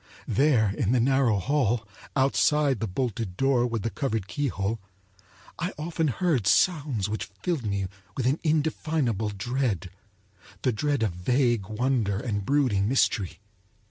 There in the narrow hall, outside the bolted door with the covered keyhole, I often heard sounds which filled me with an indefinable dread—the dread of vague wonder and brooding mystery.